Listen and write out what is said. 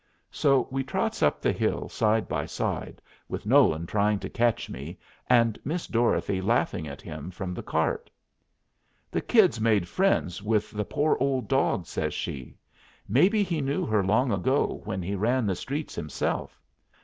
So we trots up the hill side by side, with Nolan trying to catch me, and Miss Dorothy laughing at him from the cart. "The Kid's made friends with the poor old dog," says she. "Maybe he knew her long ago when he ran the streets himself.